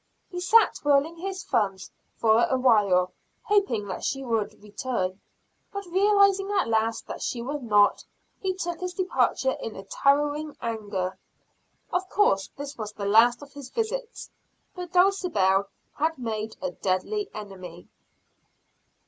He sat twirling his thumbs, for awhile, hoping that she would return. But realizing at last that she would not, he took his departure in a towering anger. Of course this was the last of his visits. But Dulcibel had made a deadly enemy.